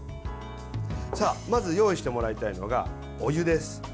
まず用意してもらいたいのがお湯です。